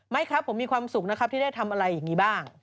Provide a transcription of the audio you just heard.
ครับผมมีความสุขนะครับที่ได้ทำอะไรอย่างนี้บ้าง